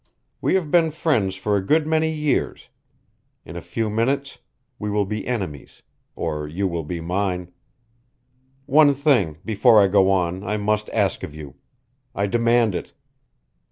We have been friends for a good many years. In a few minutes we will be enemies or you will be mine. One thing, before I go on, I must ask of you. I demand it.